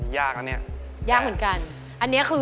ยาก